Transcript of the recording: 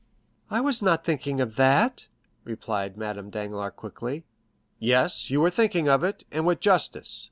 "I was not thinking of that," replied Madame Danglars quickly. "Yes, you were thinking of it, and with justice.